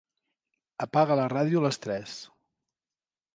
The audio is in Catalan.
Apaga la ràdio a les tres.